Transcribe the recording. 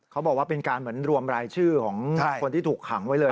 เขาบอกว่าเป็นการเหมือนรวมรายชื่อของคนที่ถูกขังไว้เลย